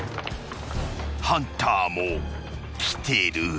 ［ハンターも来てる］